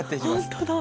本当だ。